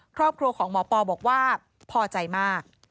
ครอบครัวของหมอปอบอกว่าพอใจมาก